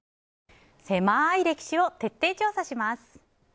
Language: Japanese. せまい歴史を徹底調査します。